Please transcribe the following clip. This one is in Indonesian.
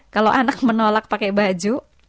kalau anak menolak pakai baju